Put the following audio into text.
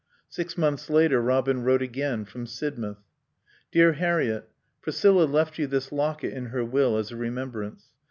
Six months later Robin wrote again, from Sidmouth. "Dear Harriett: Priscilla left you this locket in her will as a remembrance.